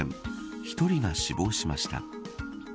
１人が死亡しました。